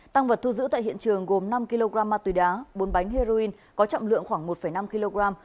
tăng vật thu giữ tại hiện trường gồm năm kg ma túy đá bốn bánh heroin có trọng lượng khoảng một năm kg